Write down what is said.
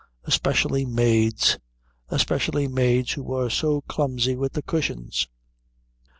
Especially maids. Especially maids who were being so clumsy with the cushions....